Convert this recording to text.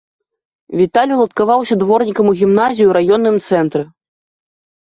Віталь уладкаваўся дворнікам у гімназію ў раённым цэнтры.